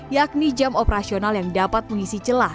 yakni jam operasional yang dapat mengisi celah